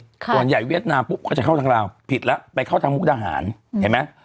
ส่วนใหญ่เวียดนามปุ๊บก็จะเข้าทางลาวผิดแล้วไปเข้าทางมุกดาหารเห็นไหม